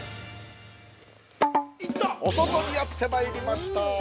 お外にやってまいりました。